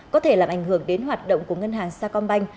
có thể làm ảnh hưởng đến hoạt động của ngân hàng sa công banh